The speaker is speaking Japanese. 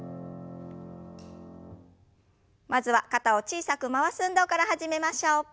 まずは肩を小さく回す運動から始めましょう。